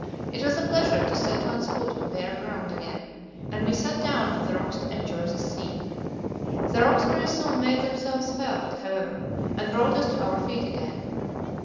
It was a pleasure to set one's foot on bare ground again, and we sat down on the rocks to enjoy the scene. The rocks very soon made themselves felt, however, and brought us to our feet again.